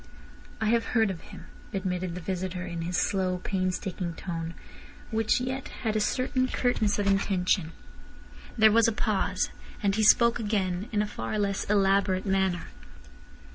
"I have heard of him," admitted the visitor in his slow, painstaking tone, which yet had a certain curtness of intention. There was a pause. Then he spoke again, in a far less elaborate manner.